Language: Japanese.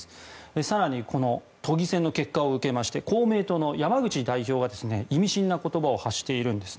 更に、都議選の結果を受けまして公明党の山口代表が意味深な言葉を発しているんです。